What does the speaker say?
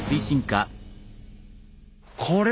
これ？